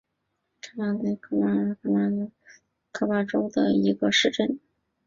卡辛巴迪登特罗是巴西帕拉伊巴州的一个市镇。